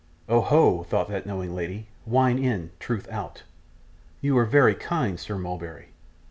'Oh, ho!' thought that knowing lady; 'wine in, truth out. You are very kind, Sir Mulberry.